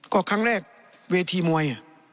ก็ครั้งแรกเวทีมวย